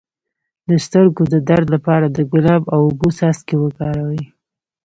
د سترګو د درد لپاره د ګلاب او اوبو څاڅکي وکاروئ